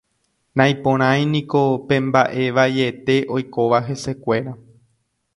Naiporãiniko pe mbaʼe vaiete oikóva hesekuéra.